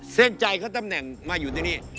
เส้นใจเขาตำแหน่งมาอยู่ที่นี่